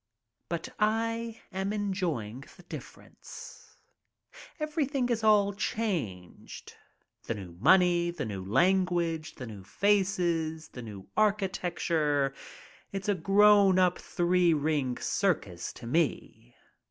But I am enjoying the difference. Everything is all changed. The new money, the new lan guage, the new faces, the new architecture — it's a grown ap three ring circus to me.